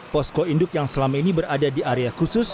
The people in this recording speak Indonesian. posko induk yang selama ini berada di area khusus